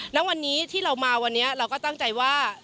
ณวันนี้ที่เรามาวันนี้เราก็ตั้งใจว่า